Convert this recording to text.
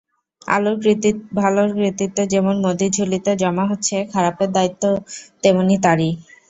ভালোর কৃতিত্ব যেমন মোদির ঝুলিতে জমা হচ্ছে, খারাপের দায়িত্বও তেমনি তাঁরই।